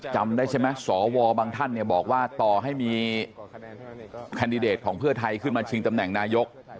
จำได้ใช่ไหมสวบางท่านเนี่ยบอกว่าต่อให้มีแคนดิเดตของเพื่อไทยขึ้นมาชิงตำแหน่งนายก